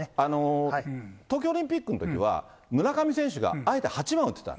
東京オリンピックのときは、村上選手があえて８番打ってた。